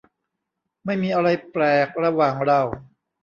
ไม่มีอะไรแปลกระหว่างเรา